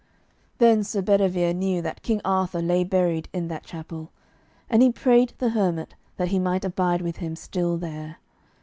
Then Sir Bedivere knew that King Arthur lay buried in that chapel, and he prayed the hermit that he might abide with him still there.